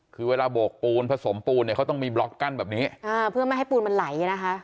คือเวลาโบกปูนผสมปูนเนี่ยเขาต้องมีบล็อกกั้นแบบนี้อ่าเพื่อไม่ให้ปูนมันไหลนะคะ